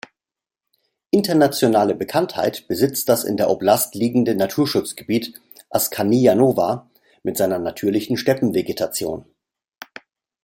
Internationale Bekanntheit besitzt das in der Oblast liegende Naturschutzgebiet Askanija-Nowa mit seiner natürlichen Steppenvegetation.